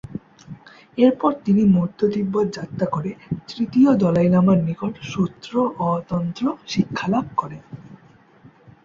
এরপর তিনি মধ্য তিব্বত যাত্রা করে তৃতীয় দলাই লামার নিকট সূত্র অ তন্ত্র শিক্ষালাভ করেন।